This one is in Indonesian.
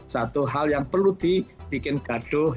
satu hal yang perlu dibikin gaduh